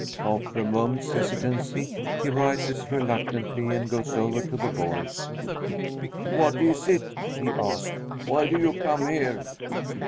After a moment's hesitancy he rises reluctantly and goes over to the boys. "What is it?" he asks. "Why do you come here?"